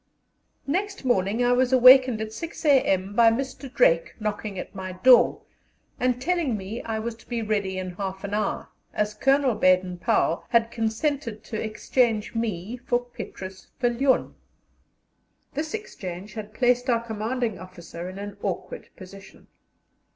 Next morning I was awakened at 6 a.m. by Mr. Drake knocking at my door, and telling me I was to be ready in half an hour, as Colonel Baden Powell had consented to exchange me for Petrus Viljoen. This exchange had placed our Commanding Officer in an awkward position.